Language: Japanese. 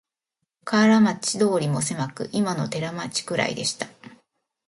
河原町通もせまく、いまの寺町くらいでした